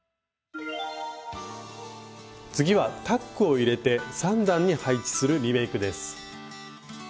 次はタックを入れて３段に配置するリメイクです。